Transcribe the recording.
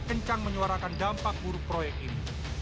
kencang menyuarakan dampak buruk proyek ini